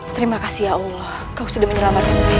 terima kasih ya allah kau sudah menyelamatkan diri